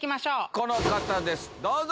この方ですどうぞ！